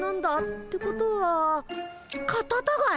ってことはカタタガエ？